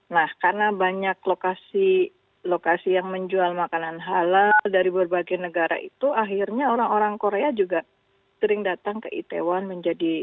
nah karena banyak lokasi lokasi yang menjual makanan halal dari berbagai negara itu akhirnya orang orang korea juga sering datang ke itaewon menjadi